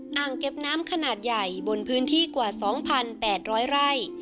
ครับอ่างเก็บน้ำขนาดใหญ่บนพื้นที่กว่าสองพันแปดร้อยไร่